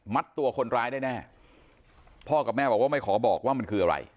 ตัวคนร้ายได้แน่พ่อกับแม่บอกว่าไม่ขอบอกว่ามันคืออะไร